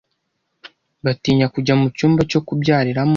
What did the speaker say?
batinya kujya mu cyumba cyo kubyariramo